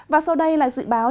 và sau đây là dự báo